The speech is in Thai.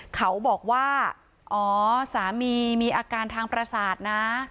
เขาบอกว่าอ๋อสามีมีอาการทางประสาทนะ